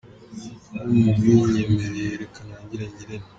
Ubwo mubinyemereye reka ntangire ngira nti: